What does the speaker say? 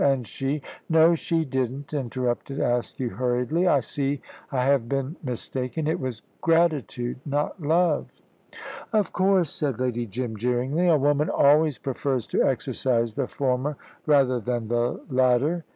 And she ?" "No, she didn't," interrupted Askew, hurriedly. "I see I have been mistaken. It was gratitude, not love." "Of course," said Lady Jim, jeeringly; "a woman always prefers to exercise the former rather than the latter."